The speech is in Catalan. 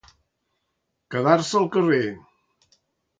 Quedar-se al carrer.